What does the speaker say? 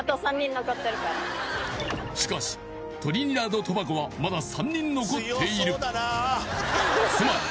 しかしトリニダード・トバゴはまだ３人残っているつまり